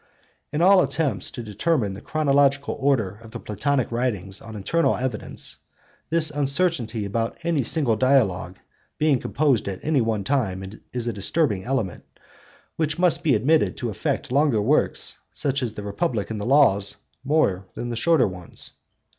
In all attempts to determine the chronological order of the Platonic writings on internal evidence, this uncertainty about any single Dialogue being composed at one time is a disturbing element, which must be admitted to affect longer works, such as the Republic and the Laws, more than shorter ones.